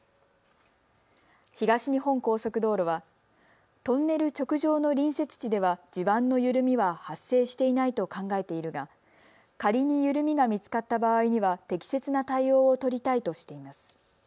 東日本高速道路はトンネル直上の隣接地では地盤の緩みは発生していないと考えているが仮に緩みが見つかった場合には適切な対応を取りたいとしています。